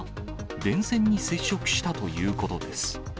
電線に接触したということです。